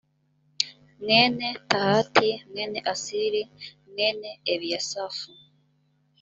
mwene tahati mwene asiri mwene ebiyasafu